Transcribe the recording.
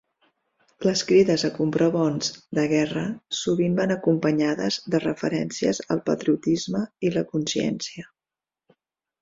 Les crides a comprar bons de guerra sovint van acompanyades de referències al patriotisme i la consciència.